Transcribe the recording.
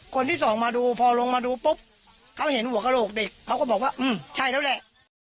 คนที่สองมาดูพอลงมาดูปุ๊บเขาเห็นหัวกระโหลกเด็กเขาก็บอกว่าใช่แล้วแหละ